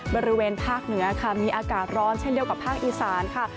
บริเวณภาคเหนือค่ะมีอากาศร้อนเช่นเดียวกับภาคอีสานค่ะ